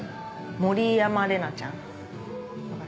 森山玲奈ちゃん分かる？